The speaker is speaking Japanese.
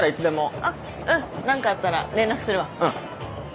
あうん何かあったら連絡するわ。